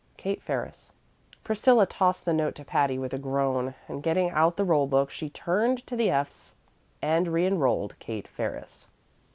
KATE FERRIS. Priscilla tossed the note to Patty with a groan, and getting out the roll book, she turned to the F's and reënrolled Kate Ferris.